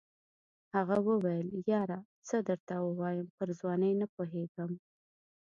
هغه وویل یاره څه درته ووایم پر ځوانۍ نه پوهېږم.